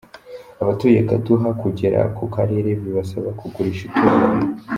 Abatuye Kaduha kugera ku karere bibasaba kugurisha itungo